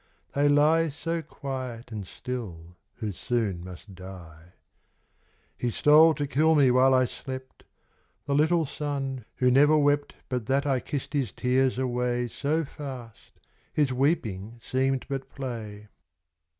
They lie So quiet and still who soon must die. tole tn kill me while I slept — The little son, who never wi Tint that 1 kissed l. iway his weeping seemed but play.